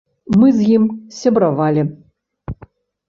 Мы з ім сябравалі.